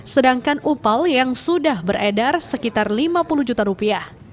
sedangkan upal yang sudah beredar sekitar lima puluh juta rupiah